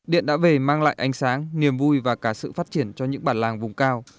điện đã về mang lại ánh sáng niềm vui và cả sự phát triển cho những bản làng vùng cao